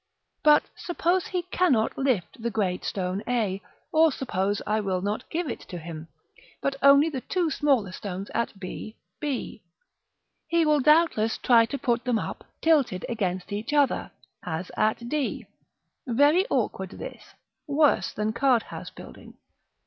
But suppose he cannot lift the great stone a, or suppose I will not give it to him, but only the two smaller stones at b, b; he will doubtless try to put them up, tilted against each other, as at d. Very awkward this; worse than card house building.